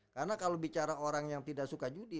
karena kalau bicara orang yang tidak suka judi